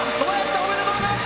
おめでとうございます！